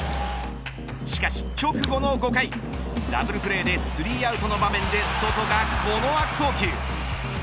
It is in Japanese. しかし直後の５回ダブルプレーで３アウトの場面でソトがこの悪送球。